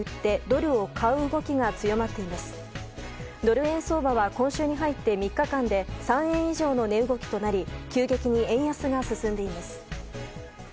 ドル円相場は今週に入って３日間で３円以上の値動きとなり急激に円安が進んでいます。